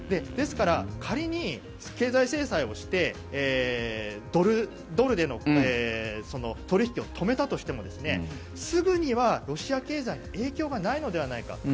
ですから仮に経済制裁をしてドルでの取引を止めたとしてもすぐにはロシア経済に影響がないのではないか。